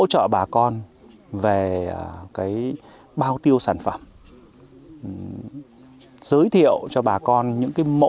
hỗ trợ bà con